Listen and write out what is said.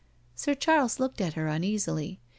Sir Charles looked at her uneasily.